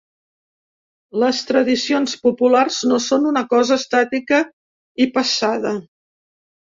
Les tradicions populars no són una cosa estàtica i passada.